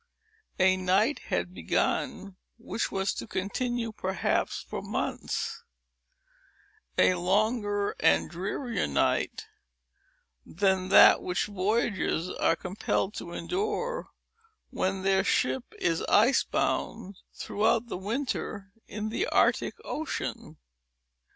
A night had begun which was to continue perhaps for months,—a longer and drearier night than that which voyagers are compelled to endure, when their ship is ice bound, throughout the winter, in the Arctic Ocean.